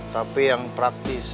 tapi yang praktis